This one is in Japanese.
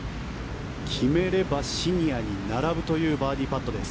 決めればシニアに並ぶというバーディーパットです。